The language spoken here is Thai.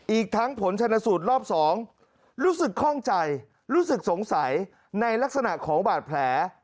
อีกทั้งผลชนสูตรรอบ๒รู้สึกคล่องใจรู้สึกสงสัยในลักษณะของบาดแผล